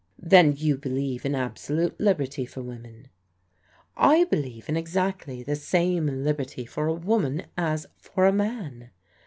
" Then you believe in absolute liberty for women? "" I believe in exactly the same liberty for a woman as for a man.